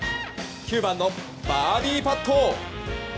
９番のバーディーパット。